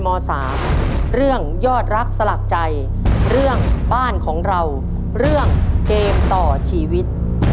ม๓เรื่องยอดรักสลักใจเรื่องบ้านของเราเรื่องเกมต่อชีวิต